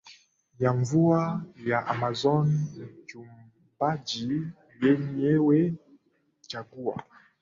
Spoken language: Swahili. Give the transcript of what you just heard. ya mvua ya Amazon mchumbaji yenyewe jaguar